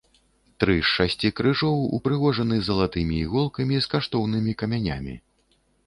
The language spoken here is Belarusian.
Тры з шасці крыжоў упрыгожаны залатымі іголкамі з каштоўнымі камянямі.